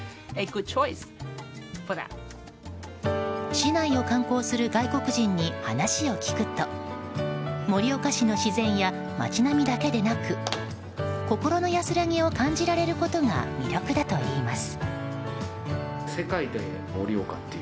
市内を観光する外国人に話を聞くと盛岡市の自然や街並みだけでなく心の安らぎを感じられることが魅力だといいます。